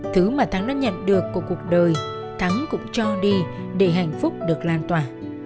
thứ mà thắng đã nhận được của cuộc đời thắng cũng cho đi để hạnh phúc được lan tỏa